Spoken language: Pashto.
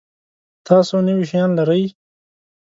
تاسو نوي شیان لرئ؟